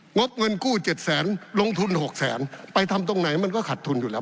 บเงินกู้เจ็ดแสนลงทุน๖แสนไปทำตรงไหนมันก็ขัดทุนอยู่แล้ว